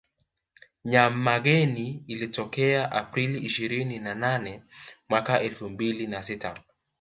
Nyamageni iliyotokea Aprili ishirini na nane mwaka elfu mbili na sita